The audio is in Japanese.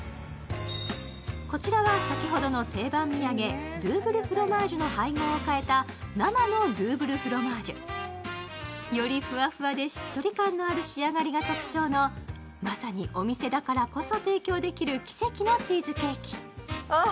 こちらは先ほどの定番土産、ドゥーブルフロマージュの配合を変えた生のドゥーブルフロマージュ。よりふわふわでしっとり感のある仕上がりが特徴のまさにお店だからこそ提供できる奇跡のチーズケーキ。